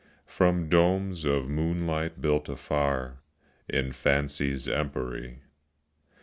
From domes of moonlight built afar In Fancy's empery.